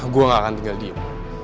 gue gak akan tinggal diem